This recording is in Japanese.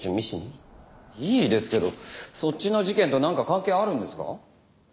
いいですけどそっちの事件となんか関係あるんですか？